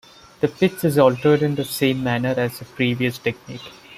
The pitch is altered in the same manner as the previous technique.